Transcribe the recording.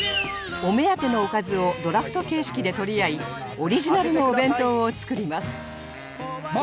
お目当てのおかずをドラフト形式で取り合いオリジナルのお弁当を作ります